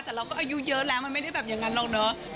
แต่เราก็อายุเยอะแล้วมันไม่ได้แบบอย่างนั้นหรอกเนอะ